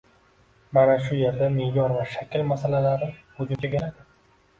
Mana shu yerda me’yor va shakl masalalari vujudga keladi.